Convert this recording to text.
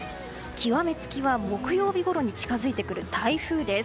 極め付きは木曜日ごろに近づいてくる台風です。